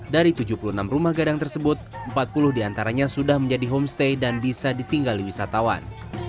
dari tujuh puluh enam rumah gadang tersebut empat puluh diantaranya sudah menjadi homestay dan bisa ditinggali wisatawan